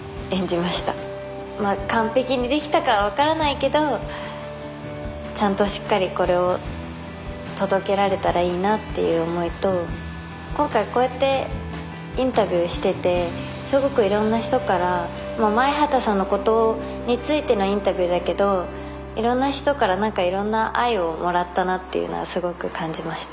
完璧にできたかは分からないけどちゃんとしっかりこれを届けられたらいいなっていう思いと今回こうやってインタビューしててすごくいろんな人から前畑さんのことについてのインタビューだけどいろんな人からいろんな愛をもらったなっていうのはすごく感じました。